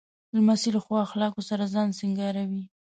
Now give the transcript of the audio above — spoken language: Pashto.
لمسی له ښو اخلاقو سره ځان سینګاروي.